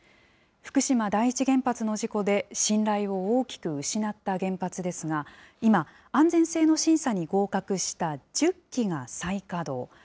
福島第一原発の事故で信頼を大きく失った原発ですが、今、安全性の審査に合格した１０基が再稼働。